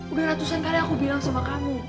udah ratusan kali aku bilang sama kamu